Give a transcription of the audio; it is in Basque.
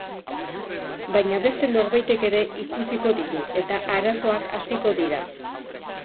Baina beste norbaitek ere ikusiko ditu, eta arazoak hasiko dira.